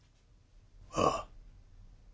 ああ。